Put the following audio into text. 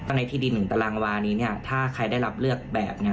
ในที่ดิน๑ตารางวานี้ถ้าใครได้รับเลือกแบบ